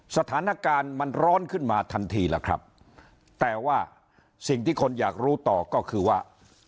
สถานการณ์มันร้อนขึ้นมาทันทีล่ะครับแต่ว่าสิ่งที่คนอยากรู้ต่อก็คือว่า